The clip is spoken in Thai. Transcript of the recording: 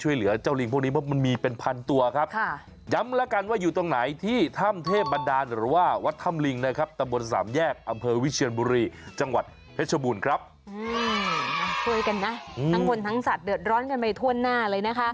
ช่วยกันนะทั้งคนทั้งสัตว์เดือดร้อนกันไปทั่วหน้าเลยนะคะ